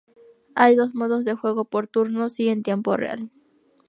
Hay dos modos de juego: por turnos y en tiempo real.